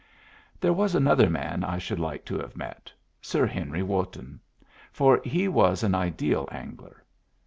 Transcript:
There was another man I should like to have met Sir Henry Wotton; for he was an ideal angler.